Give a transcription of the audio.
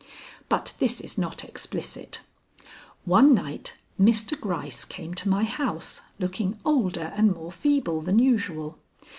But this is not explicit. One night Mr. Gryce came to my house looking older and more feeble than usual.